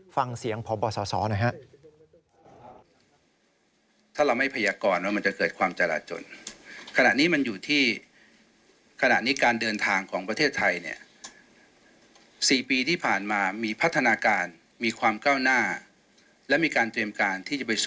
ฟังเสียงของบ่าสาวนะครับ